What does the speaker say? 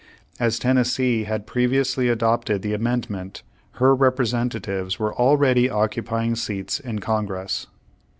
As Tennessee had previ ously adopted the Amendment, her representa tives were already occupying seats in Congress.